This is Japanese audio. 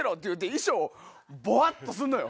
衣装ボワ！っとすんのよ。